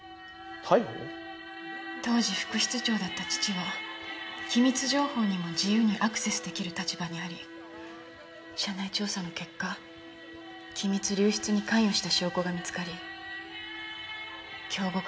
当時副室長だった父は機密情報にも自由にアクセスできる立場にあり社内調査の結果機密流出に関与した証拠が見つかり京極硝子